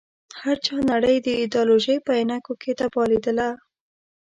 هر چا نړۍ د ایډیالوژۍ په عينکو کې تباه ليدله.